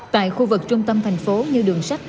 tại khu vực trung tâm thành phố như đường sắt